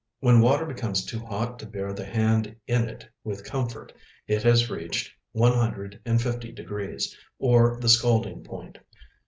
When water becomes too hot to bear the hand in it with comfort, it has reached one hundred and fifty degrees, or the scalding point.